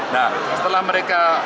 nah setelah mereka